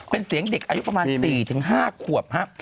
เป็นเสียงเด็กอายุประมาณ๔๕ขวบครับ